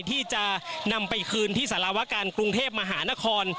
ที่จะนำไปคืนที่สารวการกรุงเทพมหานคร